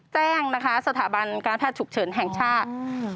แจ้งนะคะสถาบันการแพทย์ฉุกเฉินแห่งชาติ